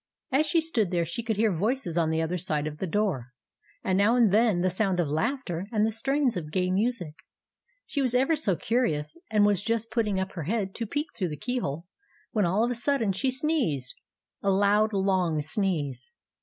As she stood there, she could hear voices on the other side of the door, and now and then the sound of laughter and the strains of gay music. She was ever so curious, and was just putting up her head to peek through the key hole, when all of a sudden she sneezed, — a loud, long sneeze.